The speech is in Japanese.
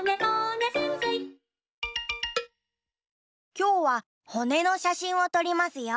きょうはほねのしゃしんをとりますよ。